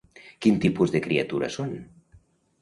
Quin tipus de criatura són?